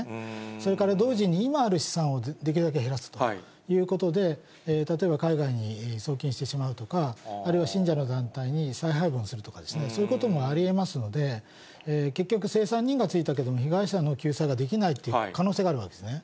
それから同時に、今ある資産を、できるだけ減らすということで、例えば海外に送金してしまうとか、あるいは信者の団体に再配分するとかですね、そういうこともありえますので、結局、清算人がついたけれども、被害者の救済ができないという可能性があるわけですね。